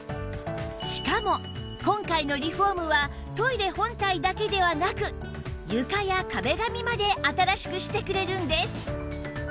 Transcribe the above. しかも今回のリフォームはトイレ本体だけではなく床や壁紙まで新しくしてくれるんです！